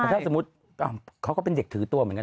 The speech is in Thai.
ถ้าสมมุติเขาก็เป็นเด็กถือตัวเหมือนกัน